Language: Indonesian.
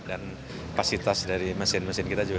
dan kapasitas dari mesin mesin kita juga